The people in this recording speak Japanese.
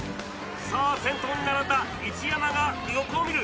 先頭に並んだ一山が横を見る。